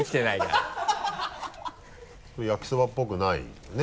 それ焼きそばっぽくないよね？